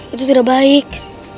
itu tidak baik